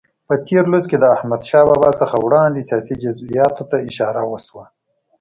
په تېر لوست کې د احمدشاه بابا څخه وړاندې سیاسي جزئیاتو ته اشاره وشوه.